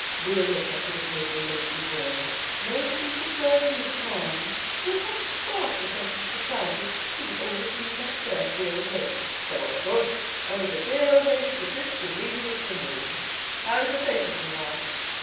"Wheel yourself to the table, lazy boy: no seat will serve you but mine; if you had one spark of a sense of propriety, you would always leave that chair for the Old Lady." "So I should; only the dear Old Lady persists in leaving it for me. How is your patient, mamma?"